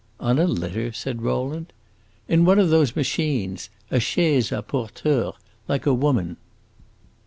"On a litter?" said Rowland. "In one of those machines a chaise a porteurs like a woman."